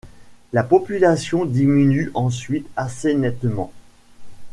La population diminue ensuite assez nettement.